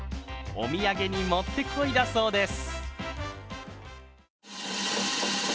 お土産にもってこいだそうです。